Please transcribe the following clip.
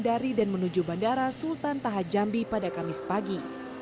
dari dan menuju bandara sultan taha jambi pada kamis pagi